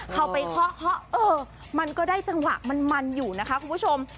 เข้าไปเคาะเคาะเออมันก็ได้จังหวะมันอยู่นะคะคุณผู้ชม